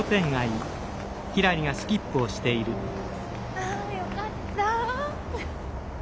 あよかった。